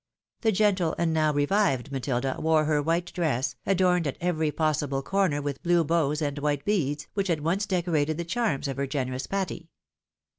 The gentle and now revived Matilda wore her white dress, adorned at every possible corner with blue bows and white beads, which had once decorated the charms of her generous Patty.